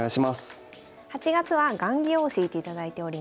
８月は雁木を教えていただいております。